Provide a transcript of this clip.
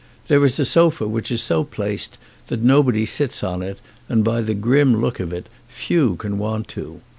There is a sofa which is so placed that nobody sits on it and by the grim look of it few can want to.